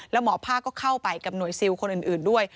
แล้วหมอภาคก็เข้าไปกับหน่วยซิลคนอื่นด้วย